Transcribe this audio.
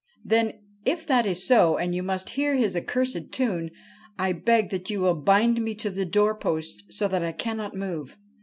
' Then, if that is so, and you must hear his accursed tune, I beg that you will bind me to the door post so that I cannot move.